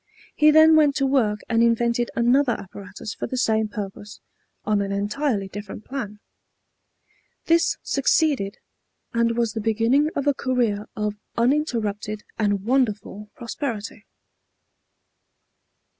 He then went to work and invented another apparatus for the same purpose, on an entirely different plan. This succeeded, and was the beginning of a career of uninterrupted and wonderful prosperity.